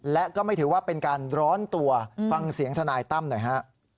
และก็ไม่ถือว่าเป็นการร้อนตัวฟังเสียงทนายตั้มหน่อยฮะ